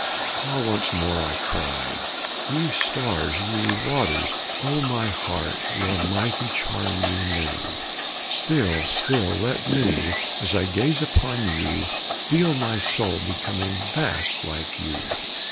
"Ah, once more," I cried, "ye stars, ye waters, On my heart your mighty charm renew; Still, still let me, as I gaze upon you, Feel my soul becoming vast like you!"